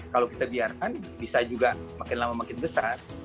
kalau kita biarkan bisa juga makin lama makin besar